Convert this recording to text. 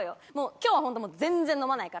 今日は本当もう全然飲まないから。